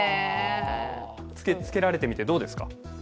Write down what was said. つけられてみて、どうですか？